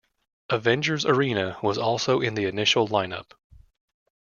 Avengers Arena was also in the initial lineup.